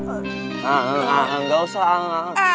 enggak enggak enggak enggak usah